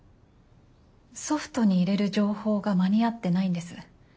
ソフトに入れる情報が間に合ってないんです。